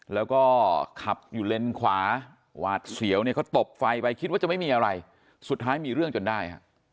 แล้วก็ขับอยู่เลนขวาหวาดเสียวเนี่ยเขาตบไฟไปคิดว่าจะไม่มีอะไรสุดท้ายมีเรื่องจนได้ฮะ